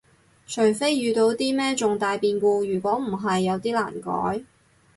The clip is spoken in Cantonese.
除非遇到啲咩重大變故，如果唔係有啲難改